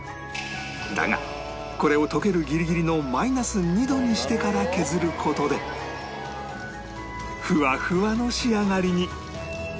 だがこれを溶けるギリギリのマイナス２度にしてから削る事でふわふわの仕上がりに